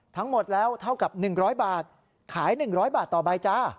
ทั้งหมดแล้วเท่ากับ๑๐๐บาทขาย๑๐๐บาทต่อใบจ้า